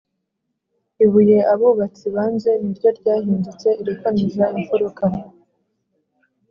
Ibuye abubaatsi banze, niryo ryahindutse irikomeza impfuruka